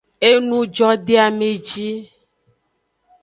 Enujodeameji.